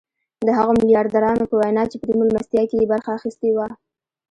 د هغو ميلياردرانو په وينا چې په دې مېلمستيا کې يې برخه اخيستې وه.